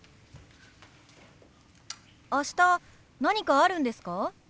明日何かあるんですか？